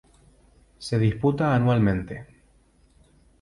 Se disputa anualmente.